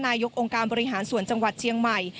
นายกองค์การบริหารส่วนจังหวัดเชียงใหม่